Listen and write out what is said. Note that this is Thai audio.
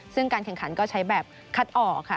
ซึ่งการแข่งขันก็ใช้แบบคัดออกค่ะ